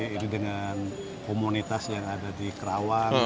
itu dengan komunitas yang ada di kerawang